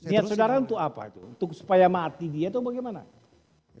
niat saudara untuk apa tuh supaya mati dia tuh bagaimana